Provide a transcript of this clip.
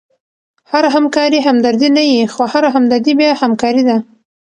هره همکاري همدردي نه يي؛ خو هره همدردي بیا همکاري ده.